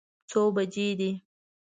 څو بجې دي؟